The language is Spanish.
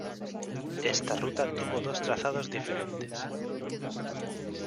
Esta ruta tuvo dos trazados diferentes.